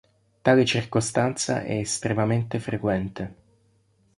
Tale circostanza è estremamente frequente.